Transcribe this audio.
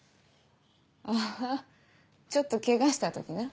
あぁちょっとケガした時な。